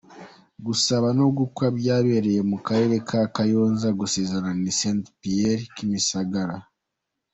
Gusaba no gukwa byabereye mu karere ka Kayonza gusezerana ni St Pierre Kimisagara.